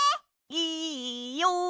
いいよ！